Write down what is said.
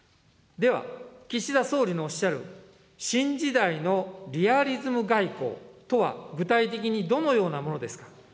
では、岸田総理のおっしゃる新時代のリアリズム外交とは、具体的にどのようなものですか。